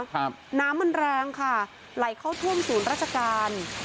น้ำมันแรงค่ะไหลเข้าท่วมศูนย์ราชการ